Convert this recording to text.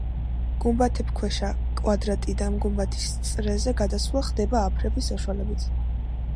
გუმბათქვეშა კვადრატიდან გუმბათის წრეზე გადასვლა ხდება აფრების საშუალებით.